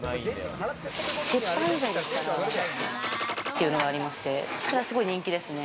鉄板以外だったら、っていうのがありまして、それはすごい人気ですね。